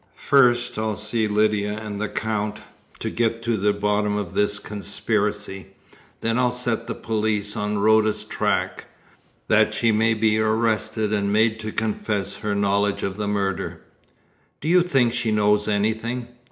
First, I'll see Lydia and the Count, to get to the bottom of this conspiracy; then I'll set the police on Rhoda's track, that she may be arrested and made to confess her knowledge of the murder." "Do you think she knows anything?"